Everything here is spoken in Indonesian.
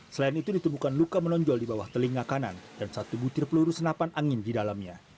selain itu ditemukan luka menonjol di bawah telinga kanan dan satu butir peluru senapan angin di dalamnya